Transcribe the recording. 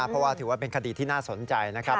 เพราะว่าถือว่าเป็นคดีที่น่าสนใจนะครับ